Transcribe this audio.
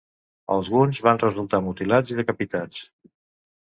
Alguns van resultar mutilats i decapitats.